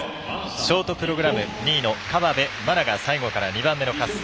ショートプログラム、２位の河辺愛菜が最後から２番目の滑走。